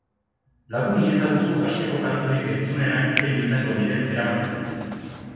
Lagun iezaguzu asteko kanturik entzunenak zein izango diren erabakitzen.